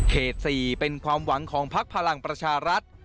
๔เป็นความหวังของพักพลังประชารัฐ